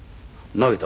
投げた。